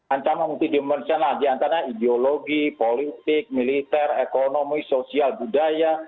ancaman multidimensional diantaranya ideologi politik militer ekonomi sosial budaya